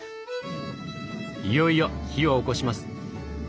いよいよ火を起こします。